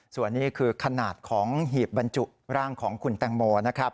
ส่วนนี้คือขนาดของหีบบรรจุร่างของคุณแตงโมนะครับ